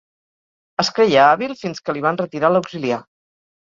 Es creia hàbil fins que li van retirar l'auxiliar.